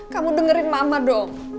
kamu dengerin mama dong